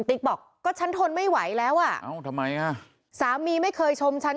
ติ๊กบอกก็ฉันทนไม่ไหวแล้วอ่ะเอ้าทำไมอ่ะสามีไม่เคยชมฉัน